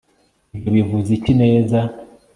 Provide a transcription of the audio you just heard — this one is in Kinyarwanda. ibyo bivuze iki, neza